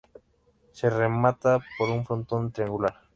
Se remata por un frontón triangular.